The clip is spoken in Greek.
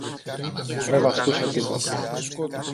Μα δε βαστούσε τίποτα